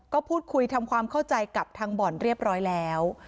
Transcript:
ก็พูดคุยทำความเข้าใจกับทางบ่อนเรียบร้อยแล้ว